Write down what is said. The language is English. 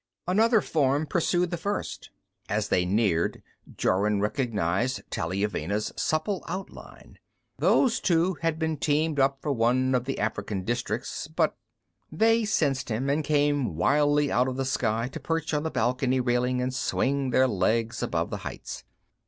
Another form pursued the first. As they neared, Jorun recognized Taliuvenna's supple outline. Those two had been teamed up for one of the African districts, but They sensed him and came wildly out of the sky to perch on the balcony railing and swing their legs above the heights.